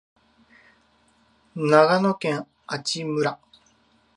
長野県阿智村